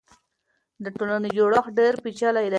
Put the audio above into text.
د ټولنې جوړښت ډېر پېچلی دی.